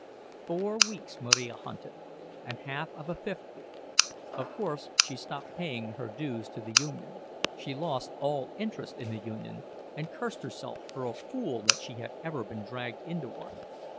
Four weeks Marija hunted, and half of a fifth week. Of course she stopped paying her dues to the union. She lost all interest in the union, and cursed herself for a fool that she had ever been dragged into one.